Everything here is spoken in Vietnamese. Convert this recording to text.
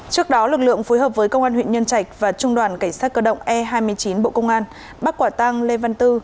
trước đó lực lượng phối hợp với công an huyện nhân trạch và trung đoàn cảnh sát cơ động e hai mươi chín bộ công an bắt quả tăng lê văn tư